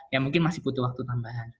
ya mungkin masih butuh waktu tambahan